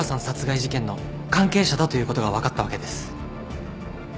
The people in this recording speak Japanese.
殺害事件の関係者だということが分かったわけです。